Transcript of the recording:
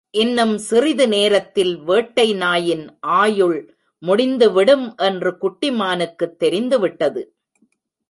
இன்னும் சிறிது நேரத்தில் வேட்டை நாயின் ஆயுள் முடிந்துவிடும் என்று குட்டி மானுக்குத் தெரிந்து விட்டது.